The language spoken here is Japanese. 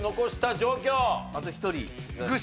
あと１人。